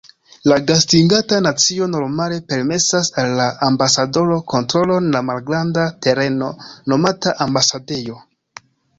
La gastiganta nacio normale permesas al la ambasadoro kontrolon de malgranda tereno nomata ambasadejo.